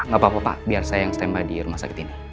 gak apa apa pak biar saya yang standby di rumah sakit ini